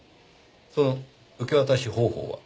その受け渡し方法は？